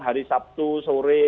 hari sabtu sore